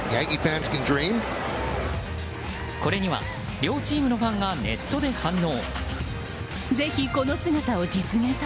これには両チームのファンがネットで反応。